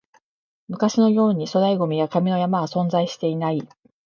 昔のように粗大ゴミや紙の山は存在していない